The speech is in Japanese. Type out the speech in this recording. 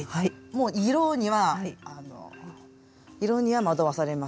もう色にはあの色には惑わされません。